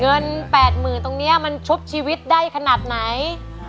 เงิน๘๐๐๐ตรงนี้มันชุบชีวิตได้ขนาดไหน